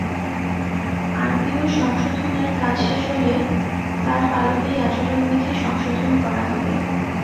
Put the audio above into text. RPO সংশোধনের কাজ শেষ হলে তার আলোকেই আচরণবিধি সংশোধন করা হবে।